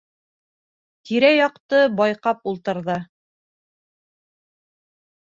Тирә-яҡты байҡап ултырҙы.